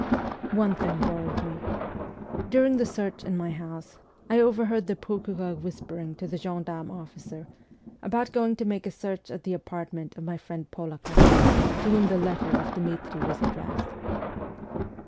One thing worried me. During the search in my house, I overheard the procureur whispering to the gendarme officer about going to make a search at the apartment of my friend Polakoff, to whom the letter of Dmitri was addressed.